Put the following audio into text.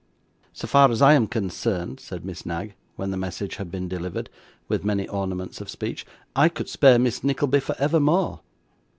'So far as I am concerned,' said Miss Knag, when the message had been delivered, with many ornaments of speech; 'I could spare Miss Nickleby for evermore.